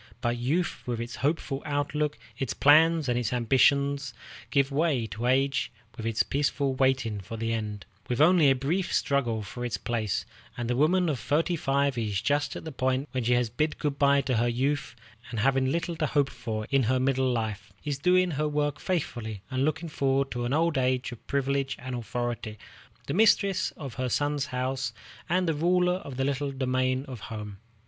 But youth with its hopeful outlook, its plans and its ambitions, gives way to age with its peaceful waiting for the end, with only a brief struggle for its place; and the woman of thirty five is just at the point when she has bid good by to her youth, and, having little to hope for in her middle life, is doing her work faithfully, and looking forward to an old age of privilege and authority, the mistress of her son's house, and the ruler of the little domain of home.